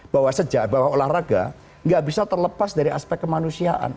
bahwa sejak bahwa olahraga nggak bisa terlepas dari aspek kemanusiaan